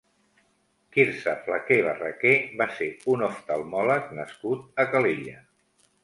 Quirze Flaquer Barraquer va ser un oftalmòleg nascut a Calella.